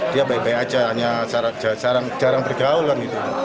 dia baik baik saja hanya jarang bergaulan